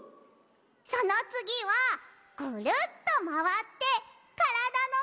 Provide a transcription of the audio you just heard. そのつぎはぐるっとまわってからだのまえにまる。